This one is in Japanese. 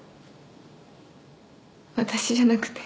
私じゃなくて。